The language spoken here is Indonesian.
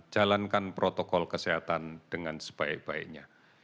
jalankan protokol kesehatan dengan sebaik baiknya